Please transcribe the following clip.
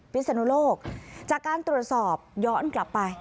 พิศนุโลกจากการตรวจสอบย้อนกลับไป